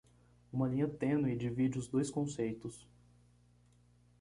Uma linha tênue divide os dois conceitos